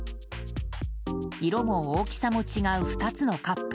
色も大きさも違う２つのカップ。